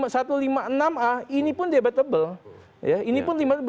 satu ratus lima puluh enam a ini pun debatable